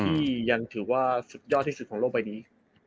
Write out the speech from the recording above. ที่ยังถือว่าสุดยอดที่สุดของโลกใบนี้